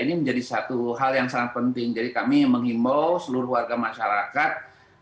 ini menjadi satu hal yang sangat penting jadi kami mengimbau seluruh warga masyarakat